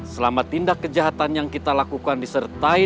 selama tindak kejahatan yang kita lakukan disertai